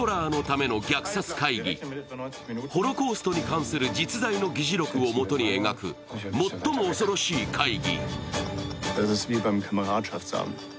ホロコーストに関する実在の議事録をもとに描く最も恐ろしい会議。